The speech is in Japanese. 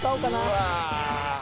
うわ。